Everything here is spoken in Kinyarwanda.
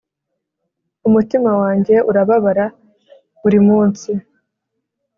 umutima wanjye urababara buri munsi.